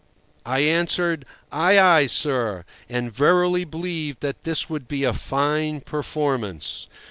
I answered, "Ay, ay, sir," and verily believed that this would be a fine performance.